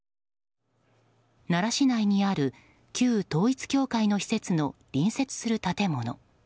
奈良市内にある旧統一教会の施設の隣接する建物。